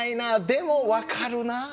でも分かるな」。